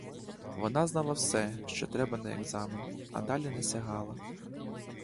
Вона знала все, що треба на екзамен, а далі не сягала.